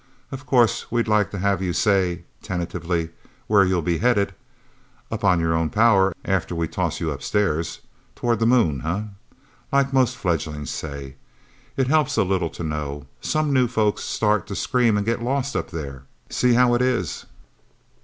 Of course we'd like to have you say tentatively where you'll be headed, on your own power, after we toss you Upstairs. Toward the Moon, huh, like most fledglings say? It helps a little to know. Some new folks start to scream and get lost, up there. See how it is?"